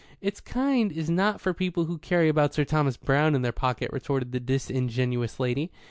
"Its kind is not for people who carry about Sir Thomas Browne in their pocket," retorted the disingenuous lady.